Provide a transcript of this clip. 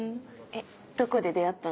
どこで出会ったの？